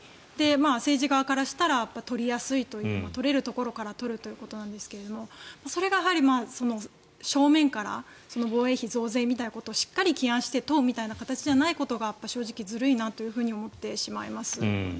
政治側からしたら取りやすいという取れるところから取るということですがそれがやはり正面から防衛費増額みたいなことをしっかり起案して問うみたいな形じゃないことが正直ずるいなと思ってしまいますよね。